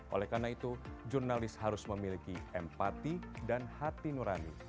oleh karena itu jurnalis harus memiliki empati dan hati nurani